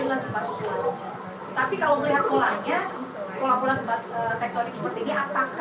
dengan potensi potensi semuanya